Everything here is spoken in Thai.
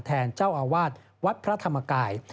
แทนเจ้าอาวาสวัดพระธรรมกาย